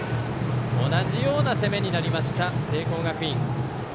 同じような攻めになりました聖光学院。